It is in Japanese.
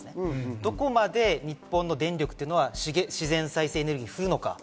どこまで日本の電力というのは自然再生エネルギーに振るのか。